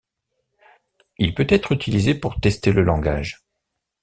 Il peut être utilisé pour tester le langage.